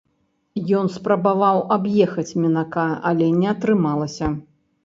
Ён спрабаваў аб'ехаць мінака, але не атрымалася.